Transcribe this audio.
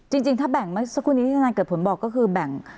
จริงถ้าแบ่งมาในสรุปนี้ยังไม่ได้เกิดผลบอกก็คือแบ่ง